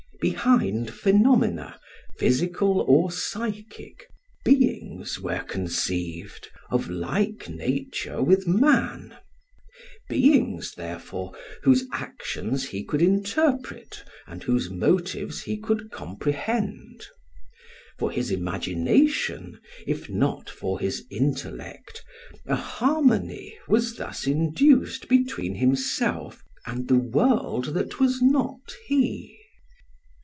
Behind phenomena, physical or psychic, beings were conceived of like nature with man, beings, therefore, whose actions he could interpret and whose motives he could comprehend. For his imagination, if not for his intellect, a harmony was thus induced between himself and the world that was not he.